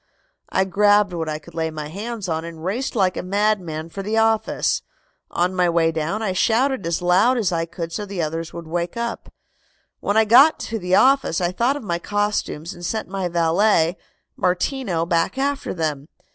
I grabbed what I could lay my hands on and raced like a madman for the office. On the way down I shouted as loud as I could so the others would wake up. "When I got to the office I thought of my costumes and sent my valet, Martino, back after them.